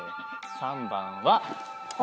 ３番は。